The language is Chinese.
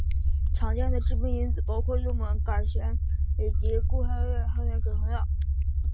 常见的致病因子包括幽门螺旋杆菌以及非类固醇消炎止痛药。